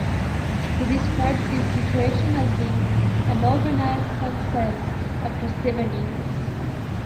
He described this situation as being "an overnight success after seven years".